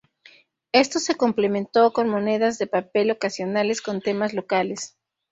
Esto se complementó con monedas de papel ocasionales con temas locales.